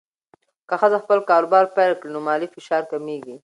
که ښځه خپل کاروبار پیل کړي، نو مالي فشار کمېږي.